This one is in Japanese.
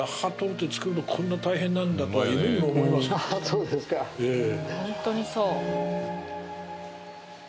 そうですかええ